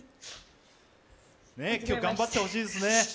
今日、頑張ってほしいですね。